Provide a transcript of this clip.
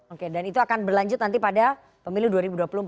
oke dan itu akan berlanjut nanti pada pemilu dua ribu dua puluh empat